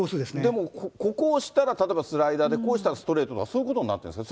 でもここを押したら例えばスライダーで、ここ押したらストレートとか、そういうことになってるんですか？